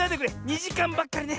２じかんばっかりね。